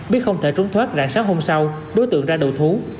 biết không thể trốn thoát rạng sáng hôm sau đối tượng ra đầu thú